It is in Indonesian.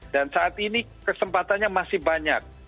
dan saat ini kesempatannya masih banyak